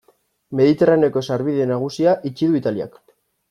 Mediterraneoko sarbide nagusia itxi du Italiak.